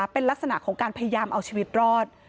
เป็นลักษณะของการพยายามเอาชีวิตรอด